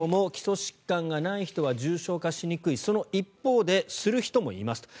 若い人も基礎疾患がない人は重症化しにくいその一方でする人もいます。